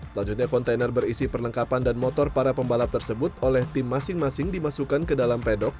selanjutnya kontainer berisi perlengkapan dan motor para pembalap tersebut oleh tim masing masing dimasukkan ke dalam pedok